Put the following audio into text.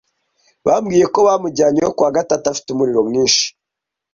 bambwiye ko bamujyanye yo ku wa gatatu afite umuriro mwinshi,